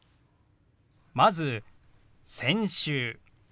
まず「先週」。